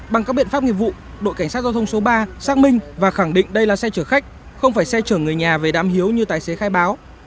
bằng các biện pháp nghiệp vụ đội cảnh sát giao thông số ba xác minh và khẳng định đây là xe chở khách không phải xe chở người nhà về đám hiếu như tài xế khai báo